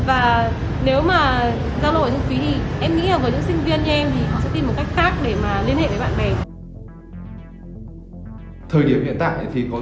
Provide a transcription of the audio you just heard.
và nếu mà zalo thu phí thì em nghĩ là với những sinh viên như em thì sẽ tìm một cách khác để mà liên hệ với bạn bè